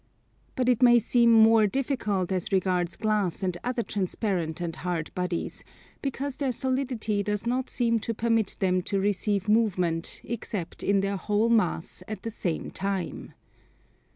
But it may seem more difficult as regards glass and other transparent and hard bodies, because their solidity does not seem to permit them to receive movement except in their whole mass at the same time.